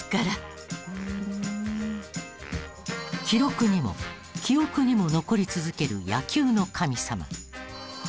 記録にも記憶にも残り続ける野球の神様。